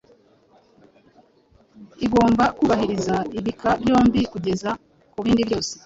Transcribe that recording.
igomba kubahiriza ibika byombi kugeza kubindi byose